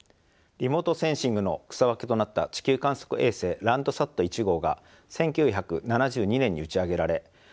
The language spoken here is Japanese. リモートセンシングの草分けとなった地球観測衛星Ｌａｎｄｓａｔ１号が１９７２年に打ち上げられ半世紀以上たちました。